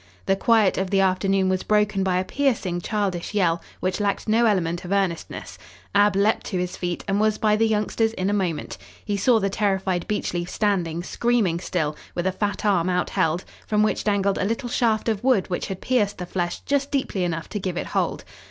The quiet of the afternoon was broken by a piercing childish yell which lacked no element of earnestness. Ab leaped to his feet and was by the youngsters in a moment. He saw the terrified Beechleaf standing, screaming still, with a fat arm outheld, from which dangled a little shaft of wood which had pierced the flesh just deeply enough to give it hold.